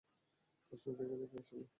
প্রশ্নটা এখানে কী আসলে?